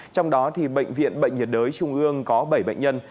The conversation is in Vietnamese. trong đó bệnh viện bệnh nhiệt đới trung ương có bảy bệnh nhân